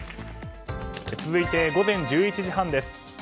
続いて午前１１時半です。